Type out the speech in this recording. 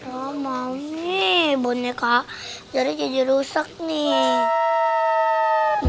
ah mau nih boneka zara jadi rusak nih